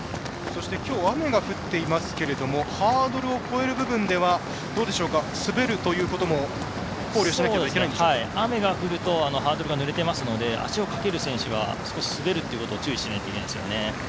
きょう雨が降っていますがハードルを越える部分では滑るということも考慮しなければ雨が降るとハードルがぬれていますので足をかける選手は滑ることを注意しなければいけないですよね。